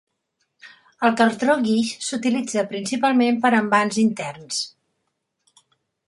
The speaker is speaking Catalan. El cartró guix s'utilitza principalment per a envans interns.